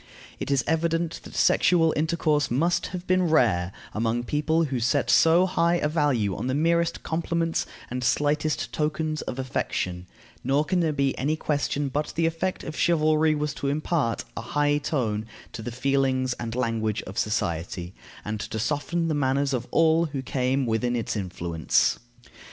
It is evident that sexual intercourse must have been rare among people who set so high a value on the merest compliments and slightest tokens of affection; nor can there be any question but the effect of chivalry was to impart a high tone to the feelings and language of society, and to soften the manners of all who came within its influence.